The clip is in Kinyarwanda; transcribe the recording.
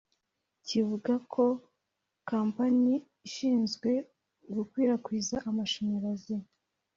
kivuga ko ikompanyi ishinzwe gukwirakwiza amashanyarazi